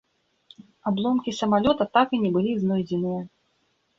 Абломкі самалёта так і не былі знойдзеныя.